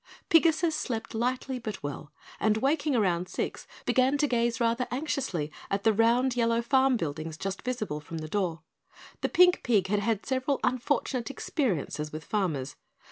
Pigasus slept lightly but well, and waking around six began to gaze rather anxiously at the round yellow farm buildings just visible from the door. The pink pig had had several unfortunate experiences with farmers.